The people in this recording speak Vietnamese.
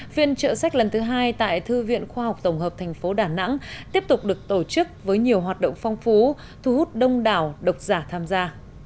phiên trợ sách lần thứ hai tại thư viện khoa học tổng hợp thành phố đà nẵng tiếp tục được tổ chức với nhiều hoạt động phong phú thu hút đông đảo độc giả tham gia